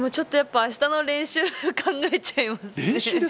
明日の練習を考えちゃいますね。